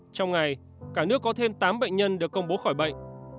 trong ngày cả nước có thêm tám bệnh nhân được công bố khỏi bệnh